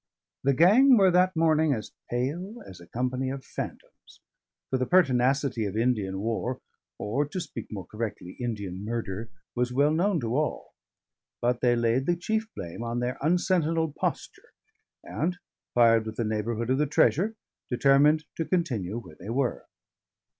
The gang were that morning as pale as a company of phantoms, for the pertinacity of Indian war (or, to speak more correctly, Indian murder) was well known to all. But they laid the chief blame on their unsentinelled posture; and, fired with the neighbourhood of the treasure, determined to continue where they were.